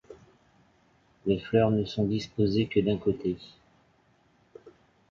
Les fleurs ne sont disposées que d'un côté.